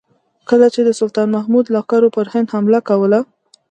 کله به چې د سلطان محمود لښکرو پر هند حمله کوله.